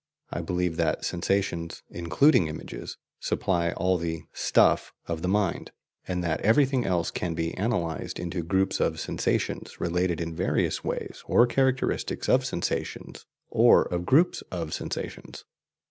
I believe that sensations (including images) supply all the "stuff" of the mind, and that everything else can be analysed into groups of sensations related in various ways, or characteristics of sensations or of groups of sensations.